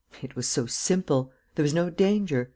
It was so simple! There was no danger.